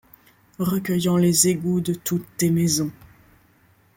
Recueillant les égouts de toutes tes maisons